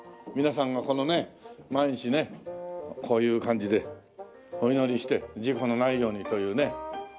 皆さんがこのね毎日ねこういう感じでお祈りして事故のないようにというね。